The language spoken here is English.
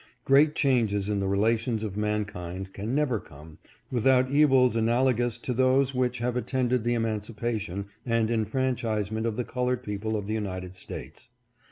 Great changes in the relations of mankind can never come, without evils analogous to those which have attended the emancipation and enfranchisement of the colored people of the United States.